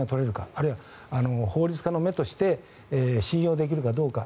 あるいは法律家の目として信用できるかどうか。